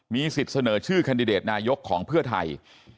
มีสิทธิ์เสนอชื่อแคนดิเดตนายกของเพื่อไทย